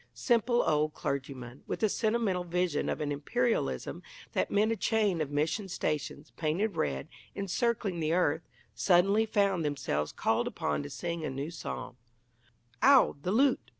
Simple old clergymen, with a sentimental vision of an Imperialism that meant a chain of mission stations (painted red) encircling the earth, suddenly found themselves called upon to sing a new psalm: Ow, the loot!